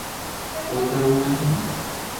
ڪوئي ڪروہ ھي ٿني